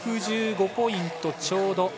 ５６５ポイントちょうど。